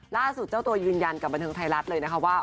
เจ้าตัวยืนยันกับบันเทิงไทยรัฐเลยนะคะว่า